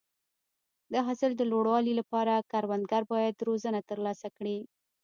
د حاصل د لوړوالي لپاره کروندګر باید روزنه ترلاسه کړي.